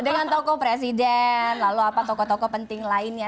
dengan tokoh presiden lalu apa tokoh tokoh penting lainnya